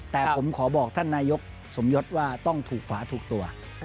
แต่ผมขอบอกท่านนายกสมยศว่าต้องถูกฝาถูกตัว